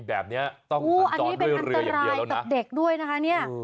อันนี้เป็นอันตรายตัดเด็กด้วยนะคะเนี่ย